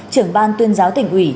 trưởng ban tuyên giáo tỉnh ủy